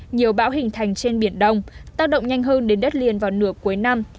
nhiều bão hình thành trên biển đông tác động nhanh hơn đến đất liền vào nửa cuối năm